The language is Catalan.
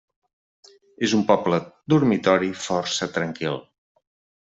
És un poble dormitori força tranquil.